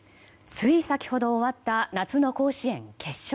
つい先ほど終わった夏の甲子園、決勝。